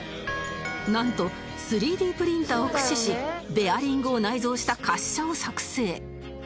なんと ３Ｄ プリンターを駆使しベアリングを内蔵した滑車を作成